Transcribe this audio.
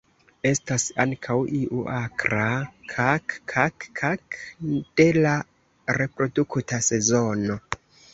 Estas ankaŭ iu akra "kak-kak-kak" de la reprodukta sezono.